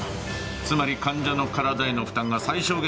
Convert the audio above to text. つまり患者の体への負担が最小限で済む。